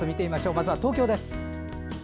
まずは東京です。